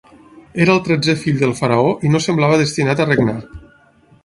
Era el tretzè fill del faraó i no semblava destinat a regnar.